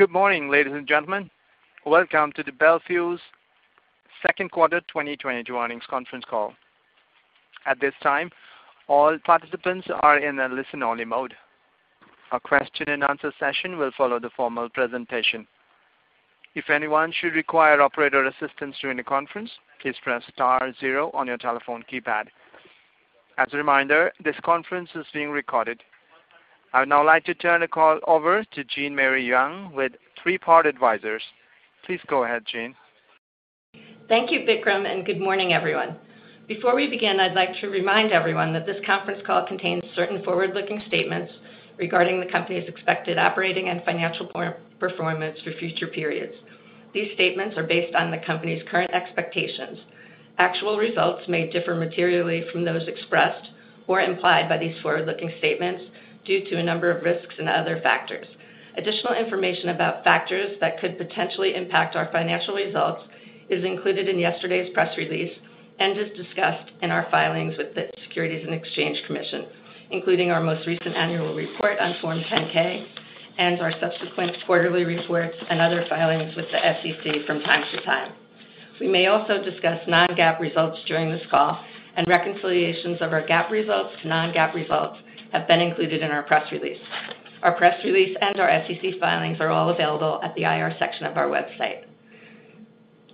Good morning, ladies and gentlemen. Welcome to the Bel Fuse's second quarter 2022 earnings conference call. At this time, all participants are in a listen-only mode. A question-and-answer session will follow the formal presentation. If anyone should require operator assistance during the conference, please press star zero on your telephone keypad. As a reminder, this conference is being recorded. I would now like to turn the call over to Jean Marie Young with Three Part Advisors. Please go ahead, Jean. Thank you, Vikram, and good morning, everyone. Before we begin, I'd like to remind everyone that this conference call contains certain forward-looking statements regarding the company's expected operating and financial performance for future periods. These statements are based on the company's current expectations. Actual results may differ materially from those expressed or implied by these forward-looking statements due to a number of risks and other factors. Additional information about factors that could potentially impact our financial results is included in yesterday's press release and is discussed in our filings with the Securities and Exchange Commission, including our most recent annual report on Form 10-K and our subsequent quarterly reports and other filings with the SEC from time to time. We may also discuss non-GAAP results during this call, and reconciliations of our GAAP results to non-GAAP results have been included in our press release. Our press release and our SEC filings are all available at the IR section of our website.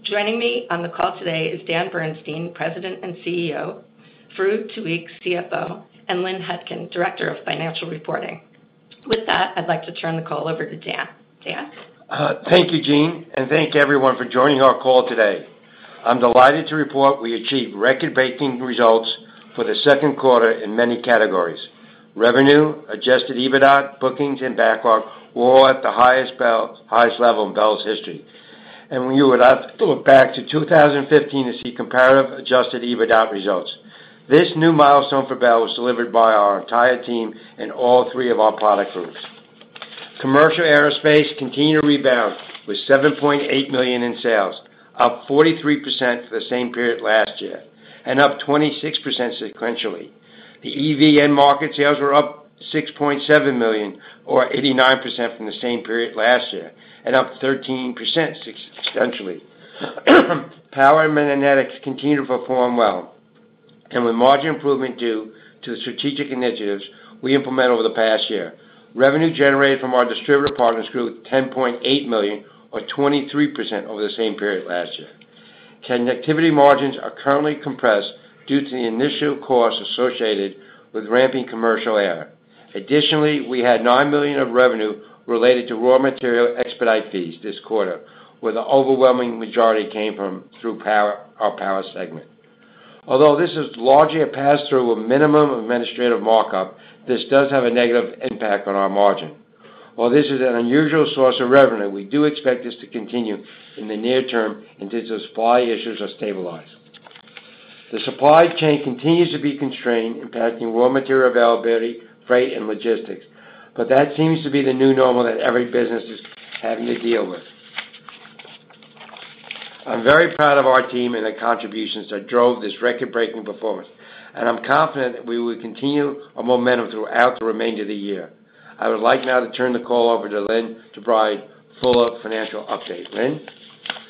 Joining me on the call today is Dan Bernstein, President and CEO, Farouq Tuweiq, CFO, and Lynn Hutkin, Director of Financial Reporting. With that, I'd like to turn the call over to Dan. Dan? Thank you, Jean, and thank you, everyone, for joining our call today. I'm delighted to report we achieved record-breaking results for the second quarter in many categories. Revenue, Adjusted EBITDA, bookings, and backlog were all at the highest level in Bel's history. We would have to look back to 2015 to see comparative Adjusted EBITDA results. This new milestone for Bel was delivered by our entire team in all three of our product groups. Commercial Aerospace continued to rebound with $7.8 million in sales, up 43% for the same period last year, and up 26% sequentially. The EV end market sales were up $6.7 million, or 89% from the same period last year, and up 13% sequentially. Power and Magnetics continued to perform well, with margin improvement due to the strategic initiatives we implemented over the past year. Revenue generated from our distributor partners grew $10.8 million or 23% over the same period last year. Connectivity margins are currently compressed due to the initial costs associated with ramping commercial aircraft. Additionally, we had $9 million of revenue related to raw material expedite fees this quarter, where the overwhelming majority came from our Power segment. Although this is largely a pass-through of minimal administrative markup, this does have a negative impact on our margin. While this is an unusual source of revenue, we do expect this to continue in the near term until the supply issues are stabilized. The supply chain continues to be constrained, impacting raw material availability, freight, and logistics, but that seems to be the new normal that every business is having to deal with. I'm very proud of our team and the contributions that drove this record-breaking performance, and I'm confident that we will continue our momentum throughout the remainder of the year. I would like now to turn the call over to Lynn to provide full financial update. Lynn?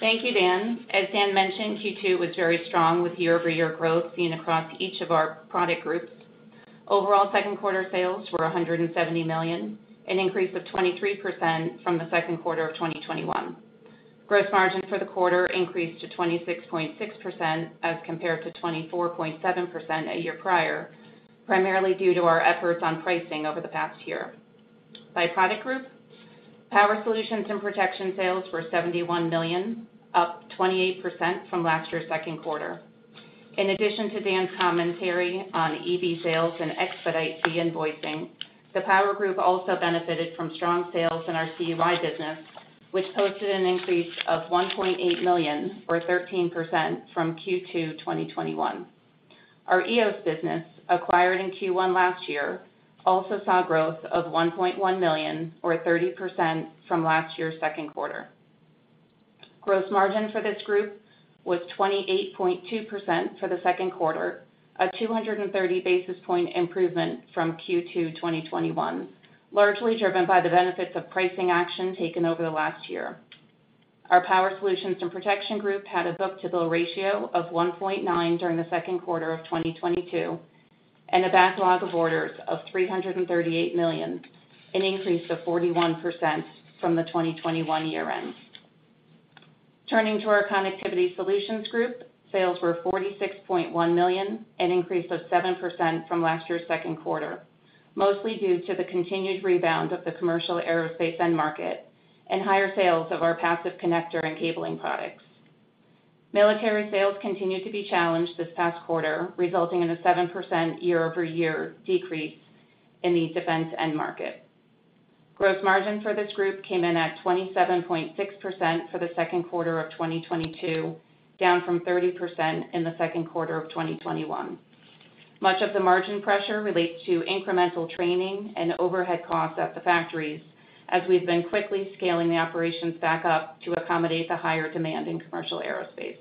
Thank you, Dan. As Dan mentioned, Q2 was very strong with year-over-year growth seen across each of our product groups. Overall second quarter sales were $170 million, an increase of 23% from the second quarter of 2021. Gross margin for the quarter increased to 26.6% as compared to 24.7% a year prior, primarily due to our efforts on pricing over the past year. By product group, Power Solutions and Protection sales were $71 million, up 28% from last year's second quarter. In addition to Dan's commentary on EV sales and expedite fee invoicing, the Power group also benefited from strong sales in our CUI business, which posted an increase of $1.8 million, or 13% from Q2 2021. Our EOS business, acquired in Q1 last year, also saw growth of $1.1 million, or 30% from last year's second quarter. Gross margin for this group was 28.2% for the second quarter, a 230 basis point improvement from Q2 2021, largely driven by the benefits of pricing action taken over the last year. Our Power Solutions and Protection group had a book-to-bill ratio of 1.9x during the second quarter of 2022, and a backlog of orders of $338 million, an increase of 41% from the 2021 year end. Turning to our Connectivity Solutions group, sales were $46.1 million, an increase of 7% from last year's second quarter, mostly due to the continued rebound of the Commercial Aerospace end market and higher sales of our passive connector and cabling products. Military sales continued to be challenged this past quarter, resulting in a 7% year-over-year decrease in the defense end market. Gross margin for this group came in at 27.6% for the second quarter of 2022, down from 30% in the second quarter of 2021. Much of the margin pressure relates to incremental training and overhead costs at the factories as we've been quickly scaling the operations back up to accommodate the higher demand in Commercial Aerospace.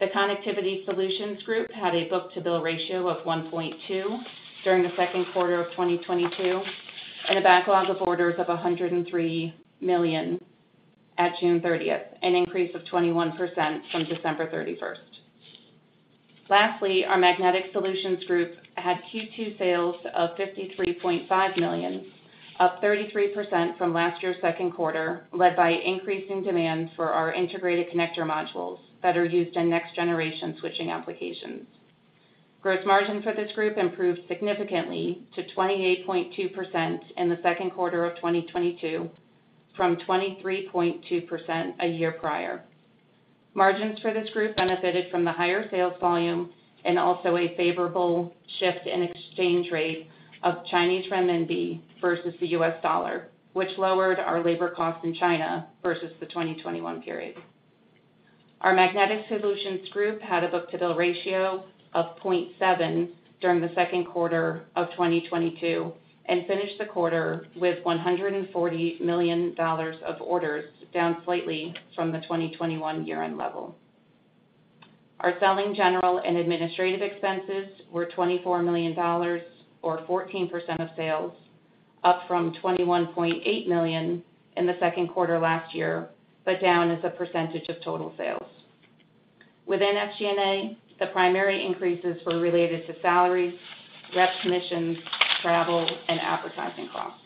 The Connectivity Solutions group had a book-to-bill ratio of 1.2x during the second quarter of 2022 and a backlog of orders of $103 million at June 30th, an increase of 21% from December 31st. Lastly, our Magnetic Solutions group had Q2 sales of $53.5 million, up 33% from last year's second quarter, led by increasing demand for our Integrated Connector Modules that are used in next-generation switching applications. Gross margin for this group improved significantly to 28.2% in the second quarter of 2022 from 23.2% a year prior. Margins for this group benefited from the higher sales volume and also a favorable shift in exchange rate of Chinese renminbi versus the U.S. dollar, which lowered our labor costs in China versus the 2021 period. Our Magnetic Solutions group had a book-to-bill ratio of 0.7x during the second quarter of 2022 and finished the quarter with $140 million of orders, down slightly from the 2021 year-end level. Our selling general and administrative expenses were $24 million or 14% of sales, up from $21.8 million in the second quarter last year, but down as a percentage of total sales. Within SG&A, the primary increases were related to salaries, rep commissions, travel, and advertising costs.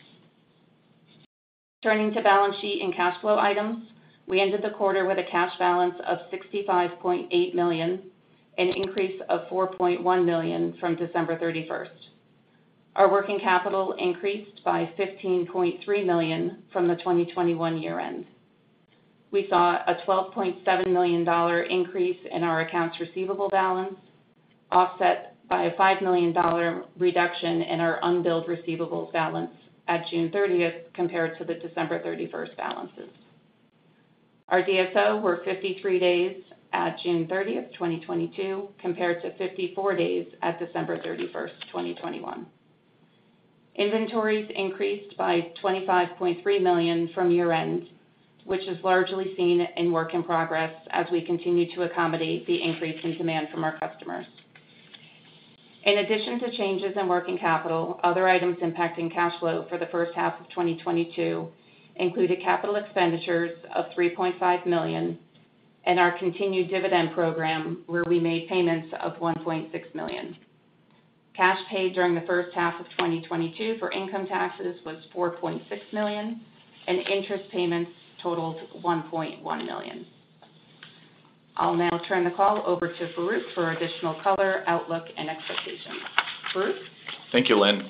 Turning to balance sheet and cash flow items, we ended the quarter with a cash balance of $65.8 million, an increase of $4.1 million from December 31st. Our working capital increased by $15.3 million from the 2021 year-end. We saw a $12.7 million increase in our accounts receivable balance, offset by a $5 million reduction in our unbilled receivables balance at June 30th compared to the December 31st balances. Our DSO were 53 days at June 30th, 2022, compared to 54 days at December 31st, 2021. Inventories increased by $25.3 million from year-end, which is largely seen in work in progress as we continue to accommodate the increase in demand from our customers. In addition to changes in working capital, other items impacting cash flow for the first half of 2022 included capital expenditures of $3.5 million and our continued dividend program, where we made payments of $1.6 million. Cash paid during the first half of 2022 for income taxes was $4.6 million, and interest payments totaled $1.1 million. I'll now turn the call over to Farouq for additional color, outlook, and expectations. Farouq? Thank you, Lynn.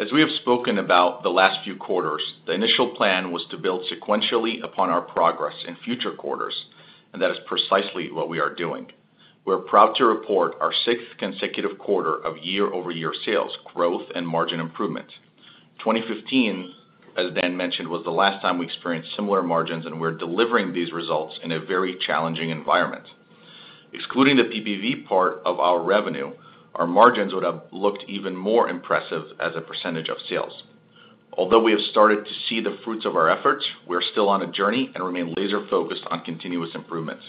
As we have spoken about the last few quarters, the initial plan was to build sequentially upon our progress in future quarters, and that is precisely what we are doing. We're proud to report our sixth consecutive quarter of year-over-year sales growth and margin improvement. 2015, as Dan mentioned, was the last time we experienced similar margins, and we're delivering these results in a very challenging environment. Excluding the PPV part of our revenue, our margins would have looked even more impressive as a percentage of sales. Although we have started to see the fruits of our efforts, we're still on a journey and remain laser-focused on continuous improvements.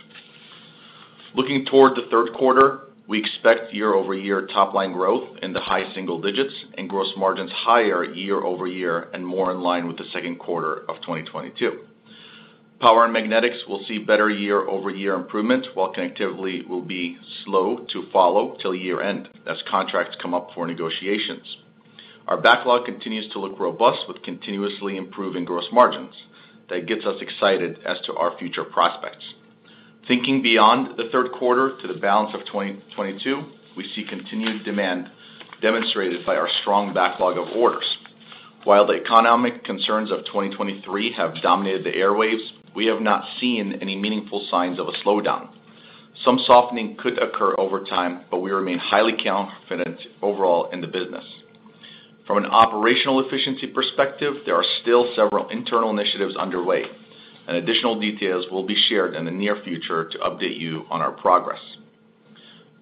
Looking toward the third quarter, we expect year-over-year top line growth in the high single digits and gross margins higher year-over-year and more in line with the second quarter of 2022. Power and Magnetics will see better year-over-year improvement, while Connectivity will be slow to follow till year-end as contracts come up for negotiations. Our backlog continues to look robust with continuously improving gross margins. That gets us excited as to our future prospects. Thinking beyond the third quarter to the balance of 2022, we see continued demand demonstrated by our strong backlog of orders. While the economic concerns of 2023 have dominated the airwaves, we have not seen any meaningful signs of a slowdown. Some softening could occur over time, but we remain highly confident overall in the business. From an operational efficiency perspective, there are still several internal initiatives underway, and additional details will be shared in the near future to update you on our progress.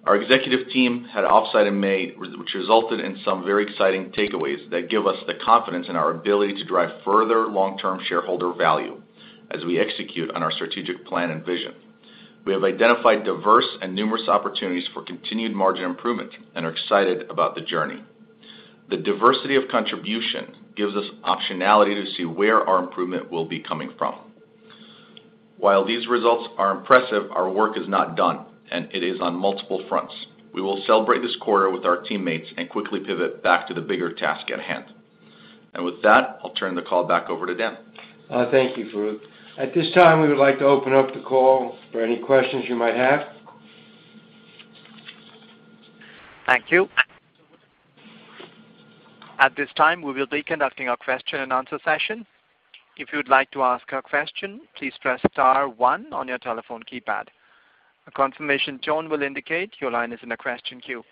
Our executive team had an offsite in May, which resulted in some very exciting takeaways that give us the confidence in our ability to drive further long-term shareholder value as we execute on our strategic plan and vision. We have identified diverse and numerous opportunities for continued margin improvement and are excited about the journey. The diversity of contribution gives us optionality to see where our improvement will be coming from. While these results are impressive, our work is not done, and it is on multiple fronts. We will celebrate this quarter with our teammates and quickly pivot back to the bigger task at hand. With that, I'll turn the call back over to Dan. Thank you, Farouq. At this time, we would like to open up the call for any questions you might have. Thank you. At this time, we will be conducting our question and answer session. If you'd like to ask a question, please press star one on your telephone keypad. A confirmation tone will indicate your line is in the question queue.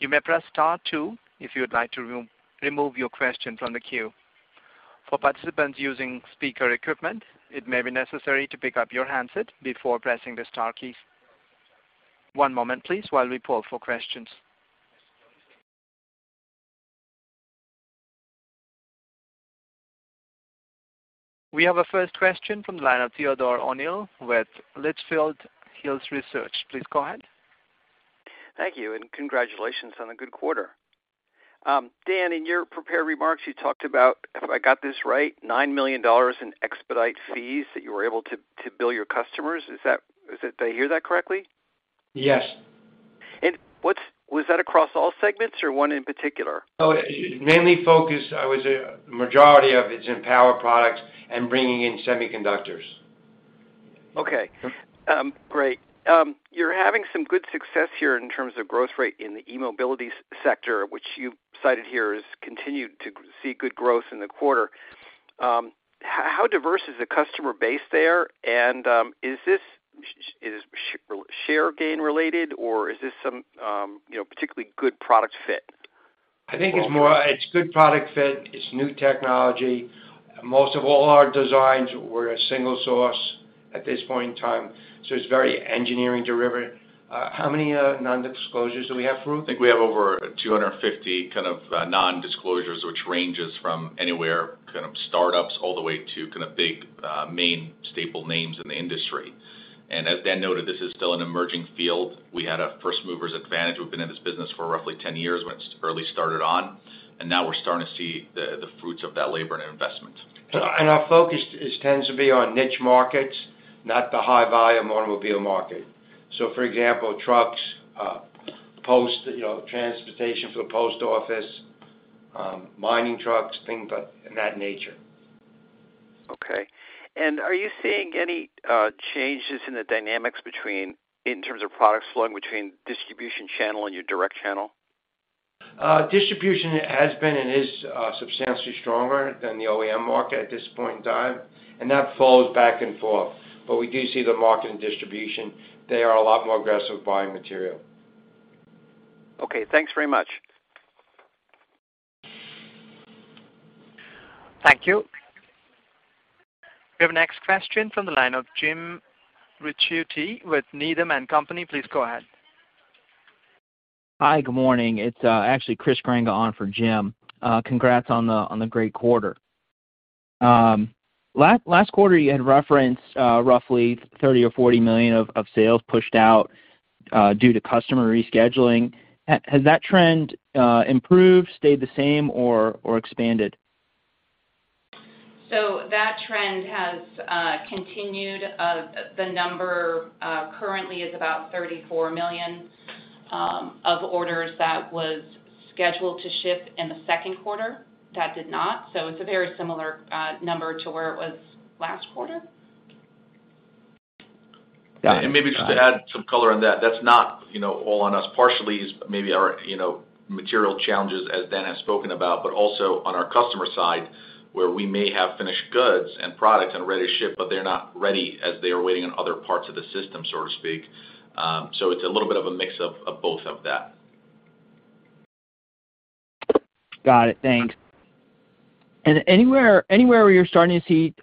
You may press star two if you would like to remove your question from the queue. For participants using speaker equipment, it may be necessary to pick up your handset before pressing the star keys. One moment, please, while we poll for questions. We have a first question from the line of Theodore O'Neill with Litchfield Hills Research. Please go ahead. Thank you, and congratulations on a good quarter. Dan, in your prepared remarks, you talked about, if I got this right, $9 million in expedite fees that you were able to bill your customers. Did I hear that correctly? Yes. Was that across all segments or one in particular? Oh, mainly focused. I would say majority of it's in power products and bringing in semiconductors. Okay. Great. You're having some good success here in terms of growth rate in the e-mobility sector, which you cited here as continued to see good growth in the quarter. How diverse is the customer base there? Is this share gain related, or is this some, you know, particularly good product fit? I think it's good product fit. It's new technology. Most of all our designs were a single source at this point in time, so it's very engineering derivative. How many non-disclosures do we have, Farouq? I think we have over 250 kind of non-disclosures, which ranges from anywhere kind of startups all the way to kind of big main staple names in the industry. As Dan noted, this is still an emerging field. We had a first movers advantage. We've been in this business for roughly 10 years when it started early on, and now we're starting to see the fruits of that labor and investment. Our focus tends to be on niche markets, not the high volume automobile market. For example, trucks, postal, you know, transportation for the post office, mining trucks, things of that nature. Okay. Are you seeing any changes in the dynamics between, in terms of products flowing between distribution channel and your direct channel? Distribution has been and is substantially stronger than the OEM market at this point in time, and that flows back and forth. We do see the market in distribution. They are a lot more aggressive buying material. Okay, thanks very much. Thank you. We have a next question from the line of Jim Ricchiuti with Needham & Company. Please go ahead. Hi, good morning. It's actually Chris Grenga on for Jim. Congrats on the great quarter. Last quarter, you had referenced roughly $30 million or $40 million of sales pushed out due to customer rescheduling. Has that trend improved, stayed the same or expanded? That trend has continued. The number currently is about $34 million of orders that was scheduled to ship in the second quarter that did not. It's a very similar number to where it was last quarter. Yeah. Maybe just to add some color on that. That's not, you know, all on us. Partially is maybe our, you know, material challenges, as Dan has spoken about, but also on our customer side, where we may have finished goods and products and ready to ship, but they're not ready as they are waiting on other parts of the system, so to speak. It's a little bit of a mix of both of that. Got it. Thanks. Anywhere where you're starting to see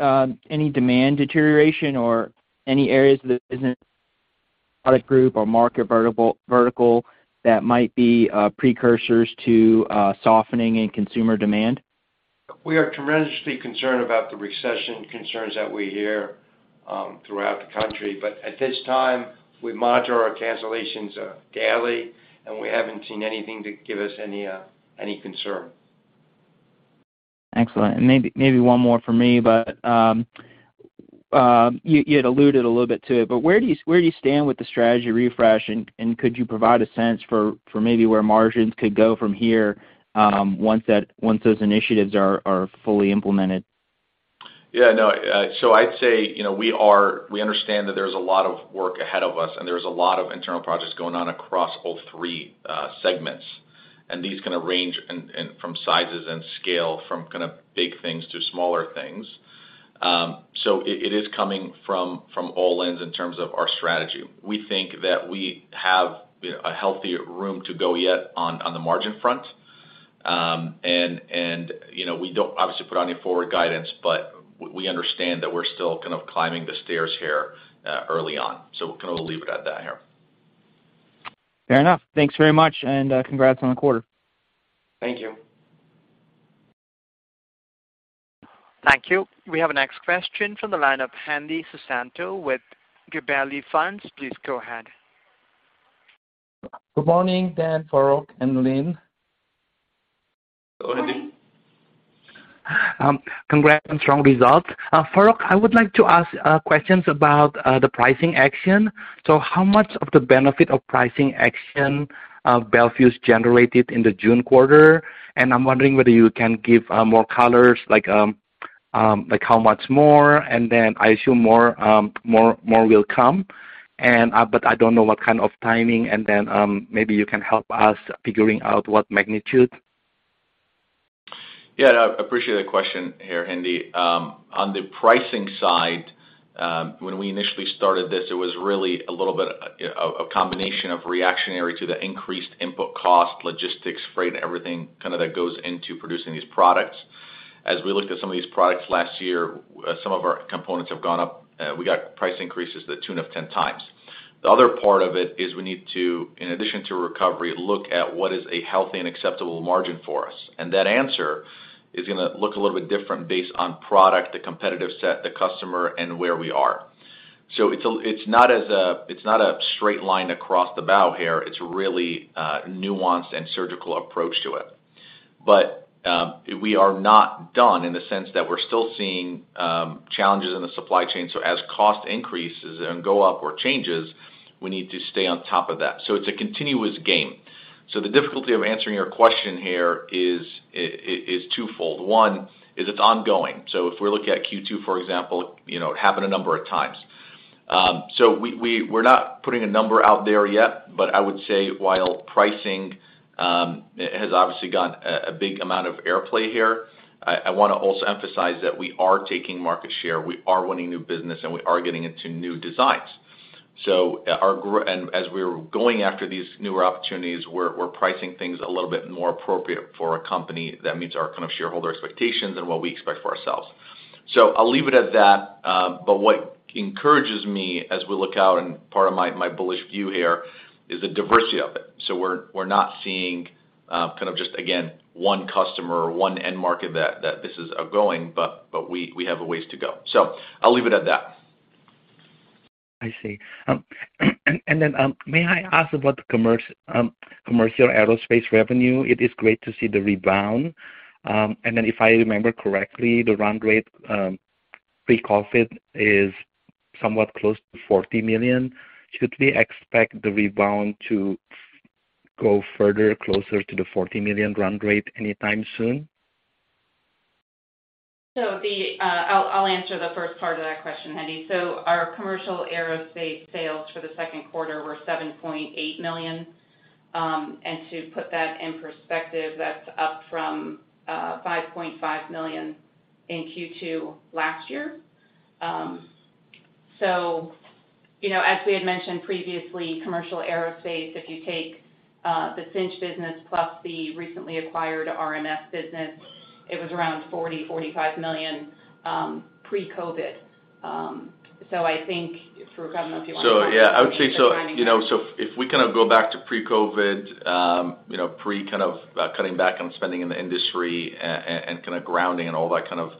any demand deterioration or any areas of the business, product group or market vertical that might be precursors to softening in consumer demand? We are tremendously concerned about the recession concerns that we hear throughout the country. At this time, we monitor our cancellations daily, and we haven't seen anything to give us any concern. Excellent. Maybe one more from me, but you had alluded a little bit to it, but where do you stand with the strategy refresh, and could you provide a sense for maybe where margins could go from here, once those initiatives are fully implemented? Yeah, no. I'd say, you know, we understand that there's a lot of work ahead of us, and there's a lot of internal projects going on across all three segments. These kind of range in size and scale from kind of big things to smaller things. It is coming from all ends in terms of our strategy. We think that we have a healthy room to grow yet on the margin front. You know, we don't obviously put out any forward guidance, but we understand that we're still kind of climbing the stairs here, early on. Kind of leave it at that here. Fair enough. Thanks very much, and congrats on the quarter. Thank you. Thank you. We have a next question from the line of Hendi Susanto with Gabelli Funds. Please go ahead. Good morning, Dan, Farouq, and Lynn. Good morning. Congrats on strong results. Farouq, I would like to ask questions about the pricing action. How much of the benefit of pricing action Bel Fuse generated in the June quarter? I'm wondering whether you can give more colors like how much more, and then I assume more will come. But I don't know what kind of timing and then maybe you can help us figuring out what magnitude. Yeah, I appreciate that question here, Hendi. On the pricing side, when we initially started this, it was really a little bit of a combination of reactionary to the increased input cost, logistics, freight, everything kind of that goes into producing these products. As we looked at some of these products last year, some of our components have gone up. We got price increases to the tune of 10 times. The other part of it is we need to, in addition to recovery, look at what is a healthy and acceptable margin for us. That answer is gonna look a little bit different based on product, the competitive set, the customer, and where we are. It's not a straight line across the bow here. It's really nuanced and surgical approach to it. We are not done in the sense that we're still seeing challenges in the supply chain. As cost increases and go up or changes, we need to stay on top of that. It's a continuous game. The difficulty of answering your question here is twofold. One is it's ongoing. If we look at Q2, for example, you know, it happened a number of times. We're not putting a number out there yet, but I would say while pricing has obviously gotten a big amount of airplay here, I wanna also emphasize that we are taking market share, we are winning new business, and we are getting into new designs. As we're going after these newer opportunities, we're pricing things a little bit more appropriate for a company that meets our kind of shareholder expectations and what we expect for ourselves. I'll leave it at that. What encourages me as we look out and part of my bullish view here is the diversity of it. We're not seeing kind of just, again, one customer or one end market that this is all going, but we have a ways to go. I'll leave it at that. I see. May I ask about the Commercial Aerospace revenue? It is great to see the rebound. If I remember correctly, the run rate pre-COVID is somewhat close to $40 million. Should we expect the rebound to go further closer to the $40 million run rate anytime soon? I'll answer the first part of that question, Hendi. Our Commercial Aerospace sales for the second quarter were $7.8 million. And to put that in perspective, that's up from $5.5 million in Q2 last year. You know, as we had mentioned previously, Commercial Aerospace, if you take the Cinch business plus the recently acquired RMS business, it was around $40million-$45 million pre-COVID. I think for Farouq, if you wanna— Yeah, I would say so, you know, if we kind of go back to pre-COVID, you know, pre kind of cutting back on spending in the industry and kind of grounding and all that kind of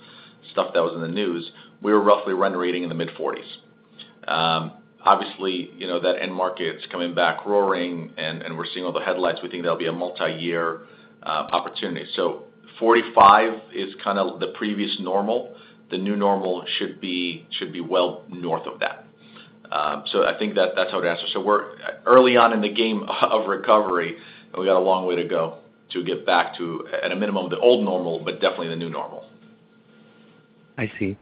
stuff that was in the news, we were roughly run rate in the mid-40s. Obviously, you know, that end market's coming back roaring and we're seeing all the headlines. We think there'll be a multi-year opportunity. 45 is kinda the previous normal. The new normal should be well north of that. I think that that's how it answers. We're early on in the game of recovery, and we got a long way to go to get back to, at a minimum, the old normal, but definitely the new normal. I see.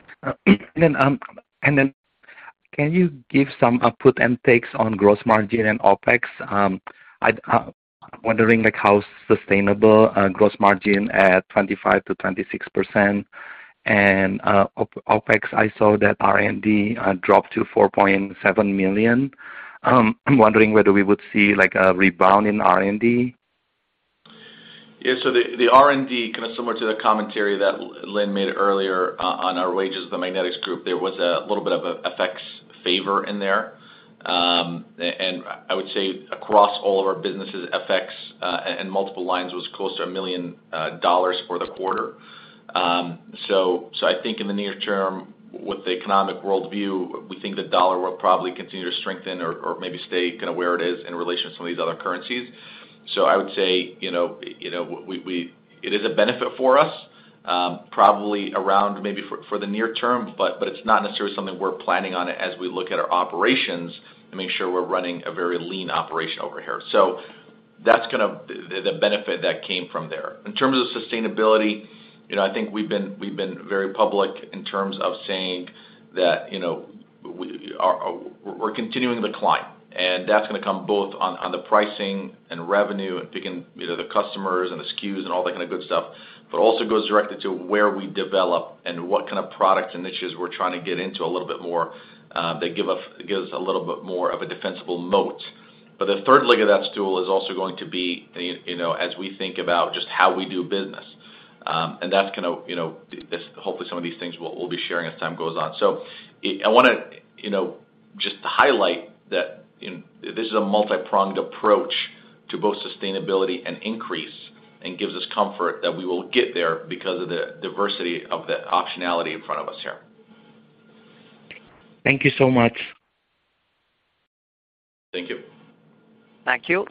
Can you give some put and takes on gross margin and OpEx? I'm wondering like how sustainable gross margin at 25%-26% and OpEx. I saw that R&D dropped to $4.7 million. I'm wondering whether we would see like a rebound in R&D. Yeah. The R&D kinda similar to the commentary that Lynn made earlier on our mags, the magnetics group, there was a little bit of a FX favor in there. And I would say across all of our businesses, FX and multiple lines was close to $1 million for the quarter. I think in the near term, with the economic world view, we think the U.S. dollar will probably continue to strengthen or maybe stay kinda where it is in relation to some of these other currencies. I would say, you know, it is a benefit for us, probably around maybe for the near term, but it's not necessarily something we're planning on as we look at our operations to make sure we're running a very lean operation over here. That's kind of the benefit that came from there. In terms of sustainability, you know, I think we've been very public in terms of saying that, you know, we're continuing the climb, and that's gonna come both on the pricing and revenue and picking, you know, the customers and the SKUs and all that kind of good stuff. Also goes directly to where we develop and what kind of products and niches we're trying to get into a little bit more that gives a little bit more of a defensible moat. The third leg of that stool is also going to be, you know, as we think about just how we do business. That's gonna, you know, hopefully some of these things we'll be sharing as time goes on. I wanna, you know, just highlight that this is a multi-pronged approach to both sustainability and increase and gives us comfort that we will get there because of the diversity of the optionality in front of us here. Thank you so much. Thank you. Thank you.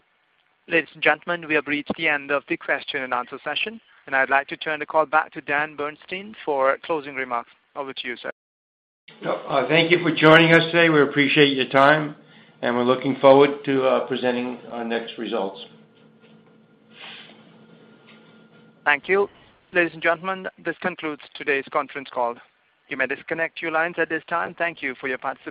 Ladies and gentlemen, we have reached the end of the question and answer session, and I'd like to turn the call back to Dan Bernstein for closing remarks. Over to you, sir. No, thank you for joining us today. We appreciate your time, and we're looking forward to presenting our next results. Thank you. Ladies and gentlemen, this concludes today's conference call. You may disconnect your lines at this time. Thank you for your participation.